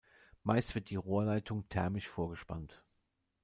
Meist wird die Rohrleitung thermisch vorgespannt.